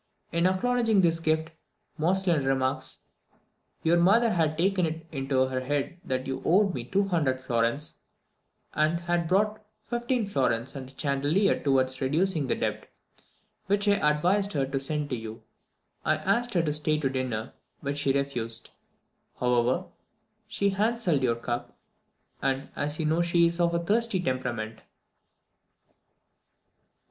In acknowledging this gift, Moestlin remarks, "Your mother had taken it into her head that you owed me 200 florins, and had brought 15 florins and a chandelier towards reducing the debt, which I advised her to send to you. I asked her to stay to dinner, which she refused. However, we hanselled your cup, as you know she is of a thirsty temperament."